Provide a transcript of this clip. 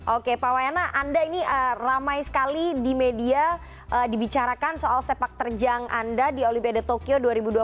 oke pak wayanna anda ini ramai sekali di media dibicarakan soal sepak terjang anda di olimpiade tokyo dua ribu dua puluh